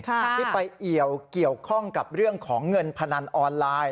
ที่ไปเอี่ยวเกี่ยวข้องกับเรื่องของเงินพนันออนไลน์